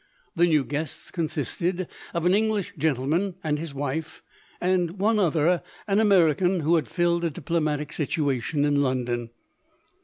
The new guests consisted of an English gentleman and his wife, and one other, an American, who had filled a diplomatic situation in London.